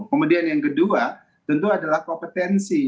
kemudian yang kedua tentu adalah kompetensi